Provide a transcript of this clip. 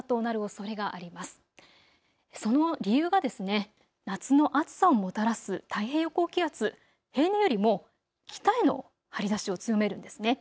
その理由が夏の暑さをもたらす太平洋高気圧、平年よりも北への張り出しを強めるんですね。